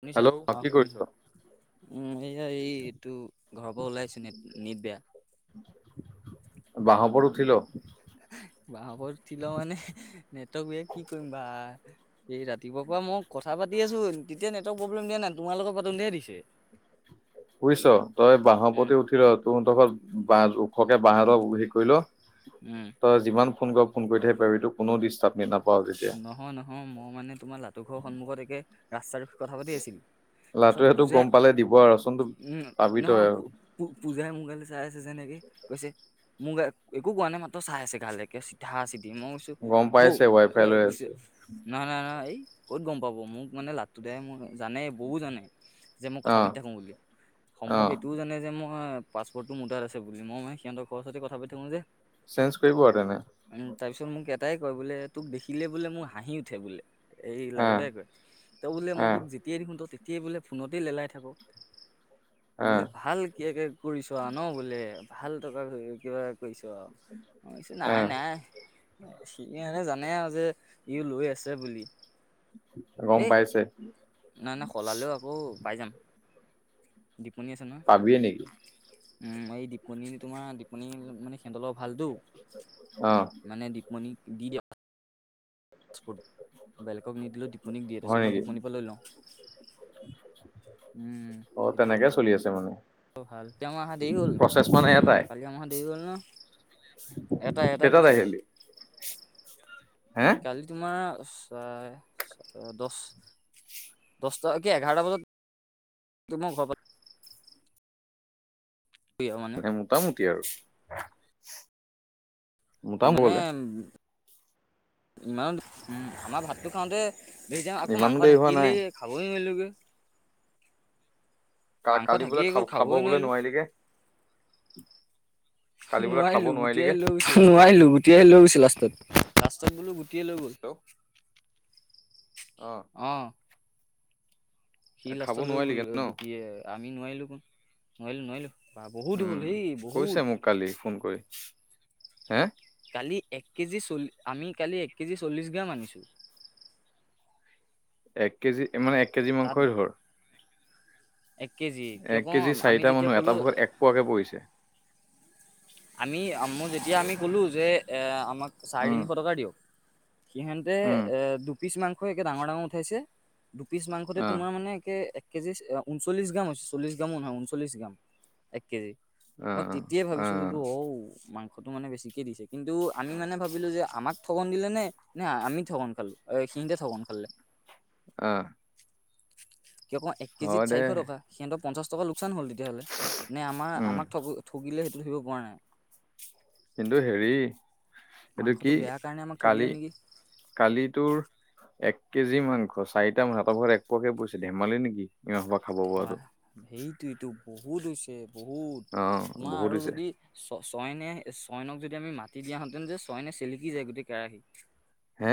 শুনিছা? হেল্লো? অ', কি কৰিছ? শুনিছোঁ। উম, এইয়া এইটো ঘৰৰ পৰা ওলাইছোঁ, নেট্‌-নিট্‌ বেয়া। বাঁহৰ ওপৰত উঠি ল'। বাঁহৰ ওপৰত উঠি ল' মানে, নেটক বিয়া কি কৰিম বা এই ৰাতিপুৱাৰ পৰা মও কথা পাতি আছোঁ, তেতিয়া নেটৱৰ্ক প্ৰব্লেম দিয়া নাই। তোমাৰ লগত পাতোতে দিছে। [inaudible] বুইছ? তই বাঁহৰ উম, ওপতে উঠি ল'। তোহঁতৰ ঘৰত বাঁ ওখকে বাঁহ এডাল হেৰি কৰি ল'। উম। তই যিমান ফোন কৰ ফোন কৰি থাকিব পাৰিবি। তোক কোনো ডিষ্টাপ নি নাপ্‌ নহয়-নহয়, মই মানে তোমাৰ লাটু ঘৰৰ সন্মুখত একে ৰাস্তাতোট কথা পাতি আছিলোঁ। তাৰ পাছত লাটুৱেটো গম পূজাই- পালে দিব আৰু চোন তোক উম, পাবি তই ন' আৰু পূ পূজাই মুগালে চাই আছে যেনেকে। কৈছে মোক এক্‌ একো কোৱা নাই। মাত্ৰ চাই আছে গালেকে চিধা -চিধি মও ছ্‌ গম পাইছে [unintelligible] এ গৈছে নহয়-নহয়-নহয় এই ক'ত গম পাব? মোক মানে লাটু দাই মোক জানে বৌ জানে। যে মই অ কথা পাতি থাকোঁ বুলি। অ সম্ভৱ এইটোও জানে যে মোক্‌ মই পাছপৰ্টটো মোতাট আছে বুলি। মই মানে সিহঁতৰ ঘৰ ওচৰতে কথা পাতি থাকোঁ যে। চেন্স কৰিব আও তেনে? তাৰ পিছত মোক এটাই কয়। বোলে তোক দেখিলে বোলে মোৰ হাঁহি উঠে বোলে। এই অ লাডুদাই কয়। তই বোলে অ মই তোক যেতিয়াই দেখোঁ তই তেত্‌ তিয়াই বোলে ফোনতেই লেলাই থাক। বোলে অ ভাল কে একে ফুৰিচ আও ন' বোলে। ভাল তহঁতৰ হেৰি কিবা ফুৰিচ আও। মই কৈছো অ নাই-নাই এ চিনিয়েৰে জান্‌ মানে আৰু যে ইউ লৈ আছে বুলি। গম এই, পাইছে না-না সলালেও আক্‌ আকৌ পাই যাম, দিপমণী আছে নহয়। পাবিয়ে নেকি উম, এই দিপনী তোমাৰ দিপমনী মানে সিহঁতৰ লগত ভালতো অ'। মানে দিপমণীক দি দিয়ক পাৰ্চপৰ্ট। বেলেগক নিদিলেও দিপনীক দিয়ে তাৰ হয় পাছত মই নেকি দিপনীৰ পৰা লৈ লওঁ। উম। অ সেইটো বোলো তেনেকে চলি আছে মানুহ। ভাল। তেওঁ আহা দেৰি হ'ল। উম এটাই যোৱা মাহত দেৰি হল ন। এটা-এটাই কেইটাত প্ৰচেছ। আহিলি হে উম, কাল তোমাৰ অ, চাই দশ দশটা কি এঘাৰটা বজাত তোক মই ঘৰ পাই পালোহি আৰু মানে এনে মোটামুটি আৰু। কি মানে মোটামুটি ইমান উম, আমাৰ ভাতটো খাওঁতে [unintelligible] আকৌ ইমানো মাংস দেৰি হোৱা নাই থাকিলেই খাবই নোৱাৰিলোঁগে। মাংস কা-কালি বোলে থাকিয়ে গ'ল খা-খাব খাবই বোলে নোৱাৰিলো নোৱাৰিলিগে? কালি বোলে খাব নোৱাৰিলো গুটি নোৱাৰিলিগে? আহি লৈ গৈছে উস, লাষ্টত নোৱাৰিলোঁ গুটি আহি লৈ গৈছে লাষ্টত। লাষ্টত বোলোঁ গুটিয়ে লৈ গ'ল। হেল্ল' অ'। সি খাব লাষ্টত লৈ গ'ল নোৱাৰিলিগে ন গুটিয়ে আমি নোৱাৰিলোঁ কোন, নোৱাৰিলোঁ-নোৱাৰিলোঁ। বা বহুত উম হ'ল সেই কৈছে বহুত। মোক কালি ফোন কৰি। হে? কালি এক কেজি চলি, আমি কালি এক কেজি চল্লিশ গ্ৰাম আনিছোঁ। এক কেজি মানে এক কেজি তাত মাংসই ধৰ। এক কেজি কিয় এক কওঁ কেজি আমি চাৰিটা যেতিয়া মানুহ ক'লো এটা ভাগত এক পোৱাকে পৰিছে। আমি মই যেতিয়া আমি ক'লোঁ যে এ আমাক চাৰে উম তিনিশ টকাৰ দিয়ক সিহঁতে উম এ দুপিচ মাংস একে ডাঙৰ-ডাঙৰ উঠাইছে। দুপিচ মাংসতে আহ তোমাৰ মানে একে এক এক কেজি ঊনচল্লিশ গ্ৰাম হৈছে চল্লিশ গ্ৰামো নহয় ঊনচল্লিশ গ্ৰাম এক কেজি। মই আহ তেতিয়াই ভাবিছোঁ আহ বোলোঁ ঔ মাংসটো মানে বেছিকে দিছে। কিন্তু আমি মানে ভাবিলোঁ যে আমাক ঠগন দিলে নে নে আমি ঠগন খালোঁ, সিহঁতে ঠগন খালে? অ'। কিয় তোমাৰ এক কেজিত দে চাৰিশ টকা, সিহঁতৰ পঞ্চাশ টকা লোকচান হ'ল দে তেতিয়াহলে নে আমাৰ উম আমাক ঠগ ঠগিলে সেইটো ধৰিব পৰা নাই। কিন্তু হেৰি এইটো কি মাংসটো বেয়া কাৰণে আমাক কালি ঠগিলে নেকি? কালি তোৰ এক কেজি মাংস চাৰিটা মানুহ ইয়াৰ ভাগত এক পোৱাকে পৰিছে। ধেমালি নেকি? ই হবা খাব পৰাটো। সেইটোৱেইটো বহুত হৈছে বহুত, অ তোমাৰ বহুত আৰু হৈছে যদি চ চয়নে চয়নক যদি আমি মাতি দিয়াহেঁতেন যে চয়নে চেলিকি যায় গোটেই কেৰাহী। হে?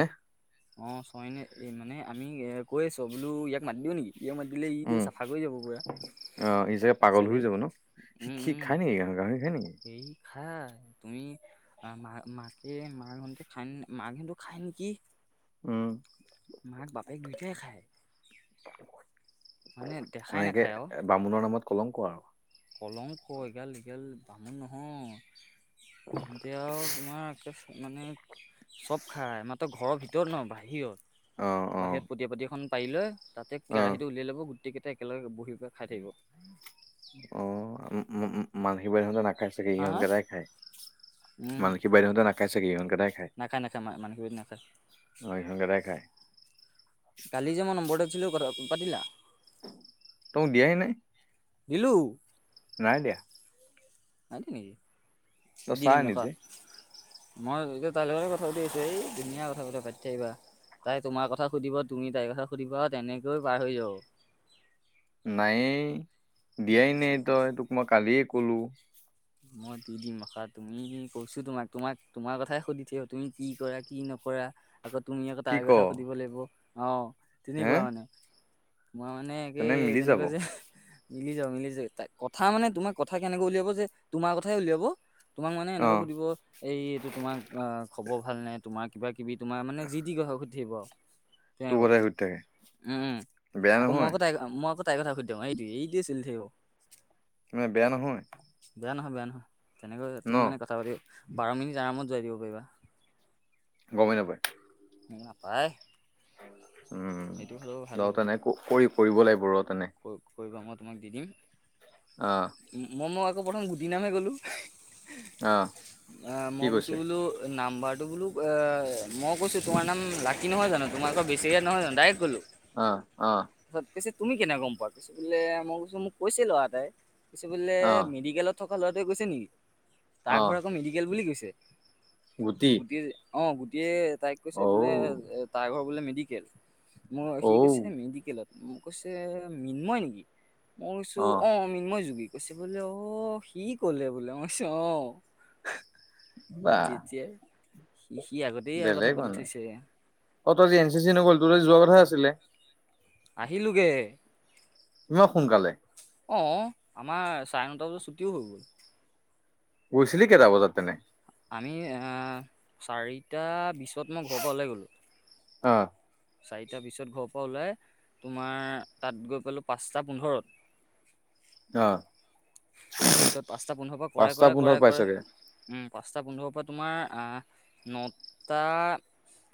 অ', চয়নে এই মানে আমি এ কৈ আছোঁ আৰু বোলোঁ ইয়াক মাতি দিওঁ নেকি? ইয় মাতিলে ইটো উম চাফা কৰি যাব পূৰা। অ', ই চাগে পাগল হৈ যাব ন? উম খিক-খিক উম খায় নেকি, গাহৰি-গাহৰি খায় নেকি? হেৰি খাই তুমি মা মাকে মা হঁতে খায় মা‌ হঁতে খায় নেকি? উম। মাক-বাপেক দুয়োটাই খায়। মানে দেখাই সেনেকে নাখায় আৰু বামুণৰ নামত কলংক আৰু। কলংক এগাল-এগাল বামুণ নহয়। এতিয়া আৰু তোমাৰে একে মানে চব খায়, মাত্ৰ ঘৰৰ ভিতৰত নহয় বাহিৰত। অ', অ'। বাহিৰত পটীয়া পতি এখন পাৰি লৈ তাতে অ কেৰাহীটো উলিয়াই ল'ব গোটেইকেইটা একেলগে বহি পেলাই খাই থাকিব। অ', ম-ম-ম-মান [unintelligible] সিহঁতে নাখায় চাগে হা হা ইহঁতকেইটা খায়। মান এই বাইডোহঁতে নাখায় ছাগে? ইহঁতকেইটাই নাখায়-নাখায় মা মানে [unintelligible] নেখায়। অ ইহঁত কেইটাই খায় কালি যে মই নম্বৰটো দিছিলোঁ কথা পাতিলা? তয় মোক দিয়াই নাই। দিলোঁ। নাই দিয়া। নাই দিয়া নেকি? তই দি চা দিম ৰখা। নিজে মই এতিয়া তাইৰ লগতে কথা পাতি আছোঁ এই ধুনীয়া কথা-চতা পাতি থাকিবা। তাই তোমাৰ কথা সুধিব তুমি তাইৰ কথা সুধিবা আৰু তেনেকৈয় পাৰ হৈ যাব। নায়েই, দিয়াই নে তই তোক মই কালিয়ে কলোঁ। মই দি দিম ৰখা। তুমি কৈছোঁ তোমাক-তোমাক তোমাৰ কথাই সুধি থাকিব, তুমি কি কৰা কি নকৰা। আকৌ তুমি আকৌ কি তাই ক কথা সুধিব লাগিব। অ', হে তেনেকুৱা মানে। মই মানে তেনে এ মিলি যাব যেনেকুৱা যে মিলি যাও মিলিছে তাই। কথা মানে তোমাৰ কথা কেনেকৈ উলিয়াব যে তোমাৰ কথাই উলিয়াব। তোমাক মানে অ এনেকৈ সুধিব এই এইটো তোমাক অ খবৰ ভাল নে তোমাক কিবা-কিবি তোমাৰ মানে যি-তি কথা সুধি থাকিব আৰু। তোৰ তেনেকুৱা। কথাই সুধি থাকে উম, বেয়া আকৌ মই নহয় আক' তাইক মই আকৌ তাইৰ কথা সুধি দিওঁ। এইটো এইটোৱে চলি থাকিব। [unintelligible] বেয়া নহয়। বেয়া নহয়, বেয়া নহয়। তেনেকৈ ন তুমি মানে কথা পাতি বাৰ মিনিট আৰামত যোৱাই দিব পাৰিবা। গমে নাপায়। এ নাপায়। উম সেইটো হ'লেও ভাল ল তেনে ক-কৰি-কৰিব লাগিব ৰহ তেনে। কৰি-কৰিবা মই তোমাক দি দিম। অ। ম-মই-মই আকৌ প্ৰথম গুটি নামহে ক'লো। আহ [unintelligible] আ কি মই কৈছে কৈছো বোলো নাম্বাৰটো বোলো এ মই কৈছো তোমাৰ নাম লাকী নহয় জানো, তোমাৰ ঘৰ বিছেৰিয়াত নহয় জানো, ডাইৰেক্ট ক'লো। অ, অ। [unintelligible] পিছে তুমি কেনেকৈ গম পোৱা পিছে? বোলে মই কৈছো মোক কৈছে ল'ৰা এটাই, কৈছে বোলে আহ মেডিকেলত থকা ল'ৰাটোৱে কৈছে নেকি? তাৰ আহ ঘৰ আকৌ মেডিকেল বুলি কৈছে। গুটি অ, গুটিয়ে তাইক কৈছে ঔ বোলে তাৰ ঘৰ বোলে মেডিকেল। মই সি ঔ কৈছে মেডিকেলত, মোক কৈছে মিন্ময় নেকি? মই কৈছো অ, মিন্ময় যোগী। কৈছে বোলে অ সি ক'লে বোলে। মই কৈছো অ। [unintelligible] বা যেতিয়া সি সি আগতে এইয়া কথা বেলেগ পাতি মানে থৈছে। অ তই আজি এ চি চি নগ'ল, তোৰ আজি যোৱা কথা আছিলে। আহিলোগে। মই সোনকালে? অ, আমাৰ চাৰে নটা বজাত ছুটিও হৈ গ'ল। গৈছিলি কেইটা বজাত তেনে? আমি আ চাৰিটা বিছত মই ঘৰৰ পৰা ওলাই গ'লোঁ। অ। চাৰিটা বিছত ঘৰৰ পৰা ওলাই তোমাৰ তাত গৈ পালোঁ পাঁচটা পোন্ধৰত। অ। তাৰপিছত পাঁচটা পোন্ধৰৰ পৰা পাঁচটা কৰাই, পোন্ধৰত কৰাই, কৰাই, কৰাই পাইছগে উ, পাঁচটা পোন্ধৰৰ পৰা তোমাৰ আ নটা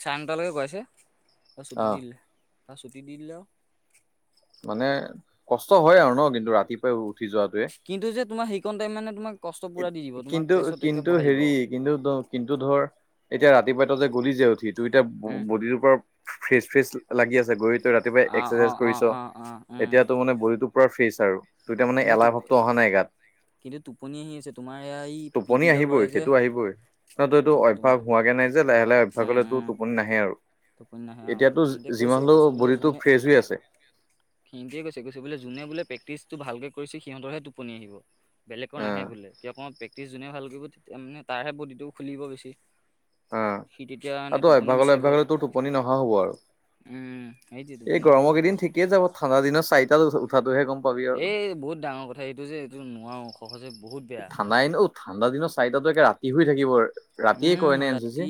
চাৰে নটালৈকে কৰাইছে। তাৰ ছুটি অ দি দিলে, তাৰ ছুটী দি দিলে আও। মানে কষ্ট হয় আৰু ন কিন্তু ৰাতিপুৱাই উঠি যোৱাটোৱে। কিন্তু যে তোমাৰ সেইকন টাইম মানে তোমাক কষ্ট পুৰা দি দিব, তোমাক কিন্তু তাছত একে কিন্তু বহাই হেৰি দিব অ। কিন্তু দ কিন্তু ধৰ এতিয়া ৰাতিপুৱা তই যে গ'লি যে উঠি তোৰ এতিয়া উম ব-বদিটো পৰ ফ্ৰেছ ফ্ৰেছ লাগি আছে। গৈ তই ৰাতিপুৱাই অ অ এক্সাৰচাইজ অ কৰিছ, অ অ উম এতিয়া তোৰ মানে বডীটো পুৰা ফ্ৰেছ আৰু। তোৰ এতিয়া মানে কিন্তু এলাহ টোপ ভাৱটো অহা নাই গাত কিন্তু টোপনি আহি আছে তোমাৰ এইয়া এই টোপনি পিটি গাল আহিবই কৰাই যে। সেইটো আহিবই ন তোৰ এইটো উম, তোমাৰ অভ্যাস হোৱাকে নাই যে। লাহে লাহে অভ্যাস উম হ'লে তোৰ উম টোপনি নাহে আৰু। টোপনি নাহে অ এতিয়াতো সিহঁতে কৈছে যি-যিমান হ'লেও বডিটো ফ্ৰেছ হৈ আছে। সিনতেই কৈছে। কৈছে বোলে যোনে বোলে প্ৰেকটিছটো ভালকে কৰিছে সিহঁতৰহে টোপনি আহিব। বেলেগৰ অ নাহে বোলে। এতিয়া অকমান প্ৰেক্টিচ যোনে ভালকে কৰিব তেতিয়া মানে তাৰহে বডিটো খুলিব বেছি। অ সি তেতিয়া আৰু মানে তই অভ্যাস টোপনি হলে বিচাৰিব। অভ্যাস হলে তোৰ টোপনি নহা হ'ব আৰু। উম, সেইটোৱে টোপনি এই নাহিব গৰমৰ প কেইদিন পাছত ঠিকেই যাব, ঠাণ্ডা দিনত চাৰিটাত উঠাতটোহে গম পাবি আৰু। এই বহুত ডাঙৰ কথা এইটো যে এইটো নোৱাৰোঁ সহজে বহুত বেয়া। নাই এনেও ঠাণ্ডা দিনত চাৰিতা একে ৰাতি হৈ থাকিব আৰু। উম ৰাতি,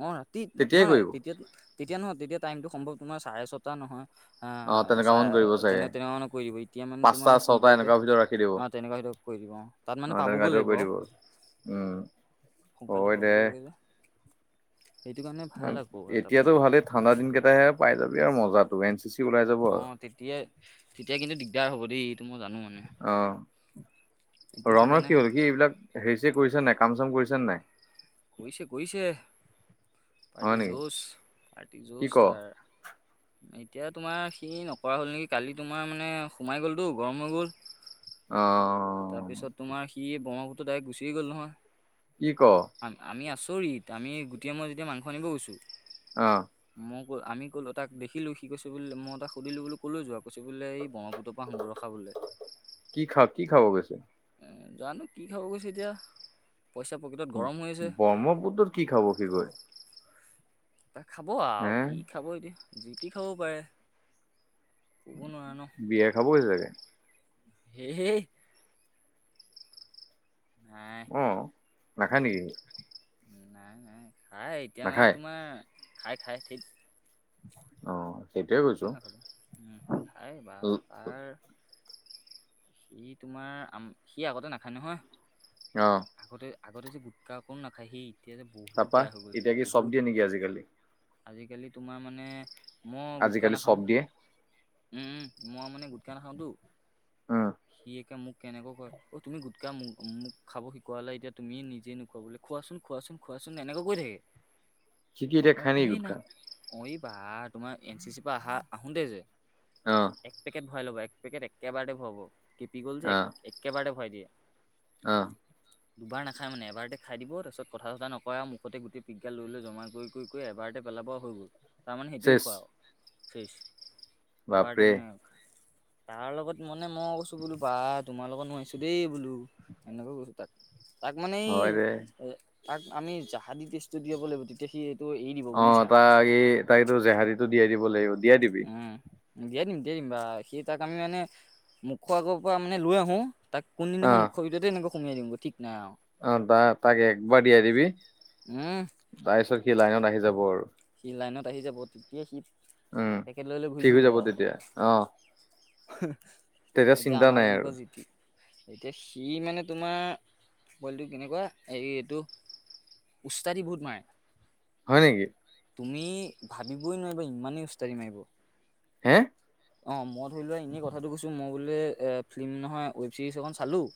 অ', ৰাতি তেতিয়াই নহয় কৰিব তেতিয়াটো তেতিয়া নহয়, তেতিয়া টাইমটো সম্ভৱ তোৰ চাৰে-ছটা নহয়। আ, অ' তেনেকুৱা মান কৰিব চাই চাগে তেনে-তেনেকুৱা মানে কৰি দিব। এতিয়া মানে পাঁচটা তোমাৰ ছটা সোনকালতে এনেকুৱা ভিতৰত ৰাখি দিব। অ', তেনেকুৱা সেইটো কৰি দিব অ', তাত মানে অ' তেনেকুৱা পাবগৈ ভিতৰত কৰি লাগিল আৰু। দিব উম। সোনকালে হয় দে। পাবগৈ লাগে যে, এইেটো কাৰণে ভাল আকৌ এটা এতিয়াতো ফালৰপা। ভালেই ঠাণ্ডা দিন কেইটাহে পাই যাবি আৰু মজা টো এন চি চি ওলাই যাব আৰু। তেতিয়াই-তেতিয়া কিন্তু দিগদাৰ হ'ব দেই এইটো মই জানো মানে অ'। এতিয়া চিন্তা ৰণৰ নাই কি হ'ল? সি এইবিলাক হেৰি-চেৰি কৰিছে নাই, কাম-চাম কৰিছে নে নাই? কৰিছে- কৰিছে। হয় পাৰ্টি নেকি জোচ, পাৰ্টি কি জোচ ক? তাৰ। এতিয়া তোমাৰ সি নকৰা হ'ল নেকি, কালি তোমাৰ মানে সোমাই গ'লটো গৰম হৈ গ'ল। অ', অ'। তাৰপিছত তোমাৰ সি ব্ৰহ্মপুত্ৰৰ দাইৰেক্ট গুচিয়ে গ'ল নহয়। কি' ক? আমি আচৰিত, আমি গোটি আৰু মই যেতিয়া মাংস আনিব গৈছোঁ অ'। মই ক আমি ক'ল তাক দেখিলোঁ, সি কৈছে মই তাক সুধিলোঁ ক'ললৈ যোৱা? কৈছে বুলে এই ব্ৰহ্মপুত্ৰ পা আহোঁ গৈ ৰখা বোলে। কি খা, কি খাব গৈছে? আ জানোঁ কি খাব গৈছে এতিয়া। পইচা পকেটত গৰম হৈ আছে ব্ৰহ্মপুত্ৰত কি' খাব সি গৈ? ত' খাব আৰু, হে কি খাব এতিয়া, জি তি খাব পাৰে। ক'ব নোৱাৰা ন? বিয়েৰ খাব গৈছে চাগে। হেই-হেই। নাই। অ', নাখায় নেকি? নাই-নাই। খাই এতিয়া মানে নাখায়? তোমাৰ খাই-খাই ঠিক অ'। সেইটোয়ে কৈছো। [unintelligible] খাই বা' ল- তাৰ সি তোমাৰ, সি আগতে নাখায় নহয়। অ'। আগতে-আগতে যে গোটকা অকণো নাখায় হি। তাপা, এতিয়া কি চব দিয়ে নেকি আজিকালি? আজিকালি তোমাৰ মানে, মই গুটখা আজিকালি চব নাখাওঁ। দিয়ে। উম-উম, মই মানে গোটকা নাখাওঁতো। অ'। সি একে মোক কেনেকৈ কয়, অ', তুমি গোটকা মোক খাব শিকোৱালা এতিয়া তুমি নিজে নোখোৱা বোলে। খোৱাচোন-খোৱাচোন-খোৱাচোন এনেকৈ কৈ থাকে। সি কি এতিয়া মই খাই নেকি কহি না, গুটখা? মই বা, তোমাৰ এন চি চি পৰা আহা আহোতে যে অ'। এক পেকেট ভৰাই ল'বা, এক পেকেট একেবাৰেতে ভৰাব, তেপি গ'ল যে অ', এক একেবাৰতে ভৰাই দিয়ে। অ'। দুবাৰ নাখায় মানে, এবাৰতে খাই দিব, তাৰপিছত কথা-চথা নকয় আৰু মুখতে গোটেই পিকগাল লৈ-লৈ জমা কৰি কৰি- কৰি এবাৰতে পেলাব আৰু হৈ গ'ল। তাৰমানে সেইটোৱে চেচ। খোৱা আৰু ফেচ এবাৰতে বাপৰে, মানে তাৰ লগত মানে মই বোলো বা তোমাৰ লগত নোৱাৰিছো দেই বোলো, এনেকৈ কৈছো তাক। তাক মানে এই হয় দে। এ তাক আমি জাহাদী তেছ টো দিয়াব লাগিব এতিয়া সি এইটো এৰি দিব বুজিছা। তাই এটো জেহাদীটো দিয়াই দিব লাগিব। দিয়াই দিবি। উম। দিয়াই দিম- দিয়াই দিম বা সি তাক আমি মানে মুখৰ আগৰ পৰা মানে লৈ আহো তাক কোনদিনাখন অ', মুখৰ ভিতৰতে এনেকে সোমিয়াই দিওঁগে, ঠিক নাই আও। অ', বা তাক একবাৰ দিয়াই দিবি, উম তাৰপিছত সি লাইনত আহি যাব আৰু। সি লাইনত আহি যাব, তেতিয়াই সি উম, পেকেট লৈ- লৈ ঘূৰি ঠিক হৈ ফুৰিব যাব আও। তেতিয়া। অ', তেতিয়া এতিয়া চিন্তা নাই আমাৰ আৰু। এনেকোৱা যি টি এতিয়া সি মানে তোমাৰ পোৱালিটো কেনেকুৱা, হেৰি এইটো উষ্টাদি বহুত মাৰে। হয় নেকি। তুমি ভাবিবই নোৱাৰিবা ইমানেই উস্তাদি মাৰিব। হে? অ', মই ধৰি লোৱা এনেই কথাটো কৈছো মৌ বোলে এ ফিল্ম নহয়, ৱেব ছিৰিজ এখন চালোঁ।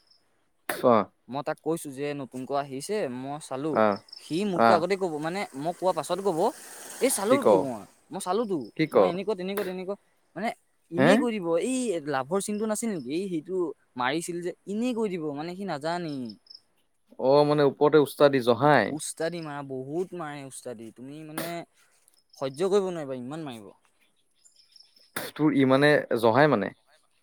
অ'। মই তাক কৈছো যে নতুন ক আহিছে, মই চালো অ', সি মোতকৈ অ', আগতে ক'ব মানে মই কোৱা পাছত [unintelligible] ক'ব। এই কি ক? চালোতো মই, মই চালো তো, কি ক? মই এনেকুৱা তেনেকুৱা-তেনেকুৱা মানে হে? ইনেই কৰি এই লাভৰ চিনটো নাছিল নেকি, এই সিটো মাৰিছিল যে, ইনেই কৈ দিব মানে সি নাজানেই। অ', মানে ওপৰতে উস্তাদি জহাই। উষ্টাদি মাৰা বহুত মাৰে উস্তাদি, তুমি মানে সহ্য কৰিব নোৱাৰিবা ইমান মাৰিব। তোৰ ইমানে জহাই মানে।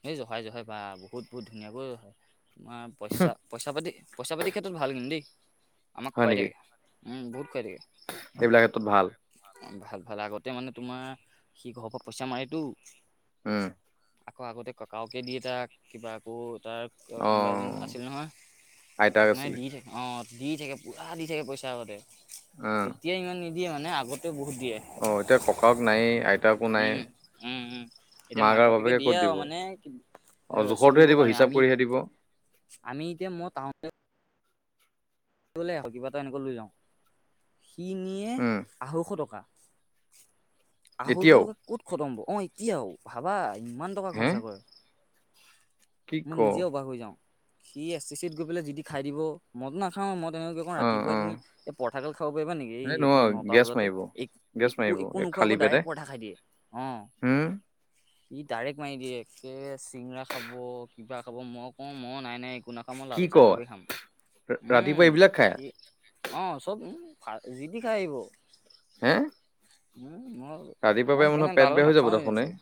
এই জহাই-জহাই বা, বহুত- বহুত ধুনীয়াকৈ জহায়, তোমাৰ পইচা- পইচা পাতি পইচা পাতিৰ ক্ষেত্ৰত ভাল কিন্তু দেই, আমাক হয় খুৱাই নেকি থাকে, উম, বহুত খুৱাই থাকে। এইবিলাক ক্ষেত্ৰত ভাল। ভাল- ভাল, আগতে মানে তোমাৰ সি ঘৰ পা পইচা মাৰেতো। উম। আকৌ আগতে ককাওকে দিয়ে তাক, কিবা আকৌ তাৰ ত' অ কোনোবা এজন আছিল নহয়, আইতাক তাক মানে আছিলে দি থাকে অ', দি থাকে, পুৰা দি থাকে পইচা আগতে, অ এতিয়া ইমান নিদি দিয়ে মানে আগতেও বহুত দিয়ে। অ, এতিয়া ককাক নাইয়ে, আইতাকো নাই। উম মাক আৰু বাপেকে ক'ত এয়া আও দিব মানে অ জোখৰটোহে চলিব দিব কাৰণে হিচাপ আমি, কৰিহে দিব আমি এতিয়া মই টাউন ল'লে আকৌ কিবা এটা এনেকুৱা লৈ যাওঁ, সি নিয়ে। উম আঢ়ৈশ টকা-আঢ়ৈশ এতিয়াও টকা ক'ত খতম হ'ব, অ', এতিয়াও ভাবা, ইমান টকা হে খৰচা কৰে। কি মই ক নিজে অবাক হৈ যাওঁ, সি এচ টি চিত গৈ পেলাই যি টি খাই দিব, মইটো খাওঁ মই তেনেকুৱাকে কওঁ অ ৰাতিপুৱাই অ তুমি এই পৰঠাগাল খাব পাৰিবা নেকি? এই এইটো নহয় নটা গেছ বজাতে মাৰিব এক গেছ একো মাৰিব একো নোখোৱাকৈ ডাইৰেক্ট পৰঠা খাই দিয়ে। অ', হু? ই ডাইৰেক্ট মাৰি দিয়ে। একেবে চিঙৰা খাব, কিবা খাব। মই কওঁ মই নাই নাই একো না অ মই কি লাল ক চাহ কাপেই খাম। উম ৰাতিপুৱা এইবিলাক খায়? সি অ, চব খায়। যি তি খাই আহিব। হে? উম, মই ৰাতিপুৱা পাই মই মানুহৰ সেইকানে পেট তাৰ বেয়া লগত হৈ যাব নাখাওৱে দেখোন এ এনেকে।